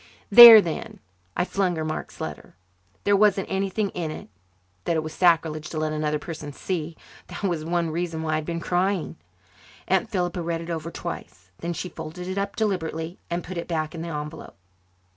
"There, then!" I flung her Mark's letter. There wasn't anything in it that it was sacrilege to let another person see. That was one reason why I had been crying. Aunt Philippa read it over twice. Then she folded it up deliberately and put it back in the envelope.